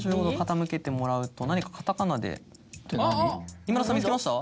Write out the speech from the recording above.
今田さん見つけました？